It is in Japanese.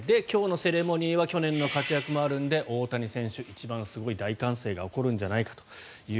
今日のセレモニーは去年の活躍もあるので大谷選手は一番すごい大歓声が起こるんじゃないかと。